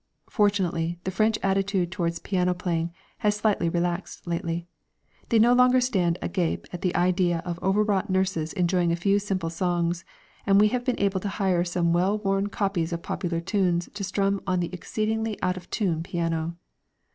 Fortunately, the French attitude towards piano playing has slightly relaxed lately; they no longer stand agape at the idea of overwrought nurses enjoying a few simple songs, and we have been able to hire some well worn copies of popular tunes to strum on the exceedingly out of tune piano.